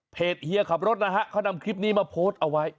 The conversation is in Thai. เฮียขับรถนะฮะเขานำคลิปนี้มาโพสต์เอาไว้